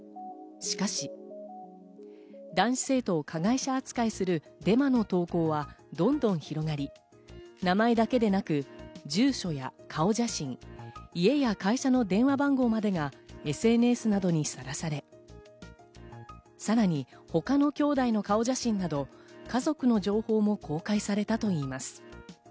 しかし、男子生徒を加害者扱いするデマの投稿はどんどん広がり、名前だけでなく住所や顔写真、家や会社の電話番号までがＳＮＳなどにさらされ、さらに他のきょうだいの顔写真など家族の情報も公開されたといいます。